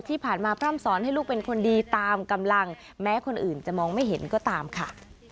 ที่ผ่านมาพร่ำสอนให้ลูกเป็นคนดีตามกำลังแม้คนอื่นจะมองไม่เห็นก็ตามค่ะ